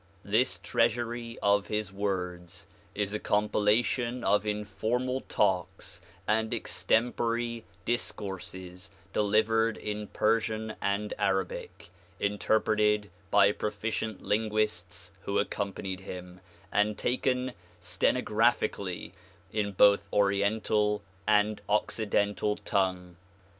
This treasury of his words is a compilation of informal talks and extempore discourses delivered in Persian and Arabic, inter preted by proficient linguists who accompanied him, and taken stenographically in both Oriental and Occidental tongue.